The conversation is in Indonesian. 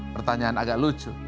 pertanyaan agak lucu